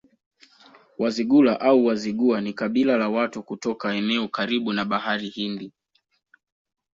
Wazigula au Wazigua ni kabila la watu kutoka eneo karibu na Bahari Hindi